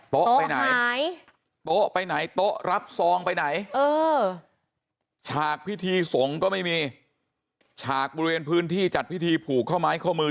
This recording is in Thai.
ไปไหนโต๊ะไปไหนโต๊ะรับซองไปไหนฉากพิธีสงฆ์ก็ไม่มีฉากบริเวณพื้นที่จัดพิธีผูกข้อไม้ข้อมือ